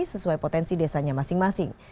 sesuai potensi desanya masing masing